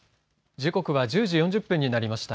時刻は１０時４０分になりました。